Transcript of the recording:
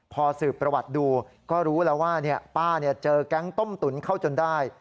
พอสืบประวัติดูก็รู้แล้วว่าป้าเจอแก๊งต้มตุ๋นเข้าจนได้